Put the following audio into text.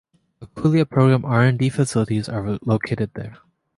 Aquila program R and D facilities are located there.